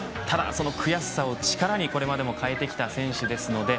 ただその悔しさを力にこれまでも力に変えてきた選手です。